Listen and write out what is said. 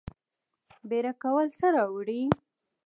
بیړه کول څه راوړي؟